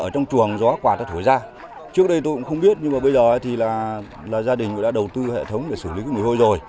trước đây tôi cũng không biết nhưng bây giờ gia đình đã đầu tư hệ thống để xử lý mùi hôi rồi